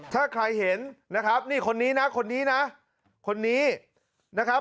ถ้าใครเห็นนะครับนี่คนนี้นะคนที่นะ